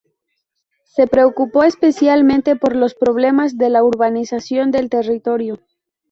Se preocupó especialmente por los problemas de la urbanización del territorio.